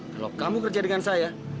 kalau kamu kerja dengan saya